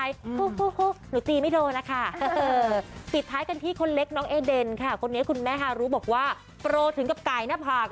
ยิ้มตลอดเลย